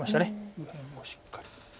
右辺をしっかり。